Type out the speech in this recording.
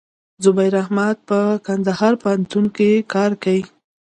زبير احمد په کندهار پوهنتون کښي کار کيي.